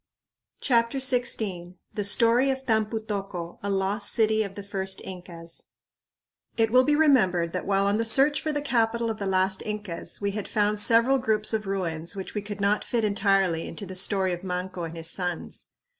CHAPTER XVI The Story of Tampu tocco, a Lost City of the First Incas It will be remembered that while on the search for the capital of the last Incas we had found several groups of ruins which we could not fit entirely into the story of Manco and his sons.